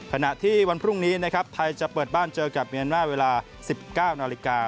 ขณะที่วันพรุ่งนี้นะครับไทยจะเปิดบ้านเจอกับเมียนมาร์เวลา๑๙นาฬิกา